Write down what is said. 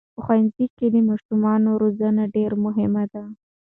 په ښوونځي کې د ماشومانو روزنه ډېره مهمه ده.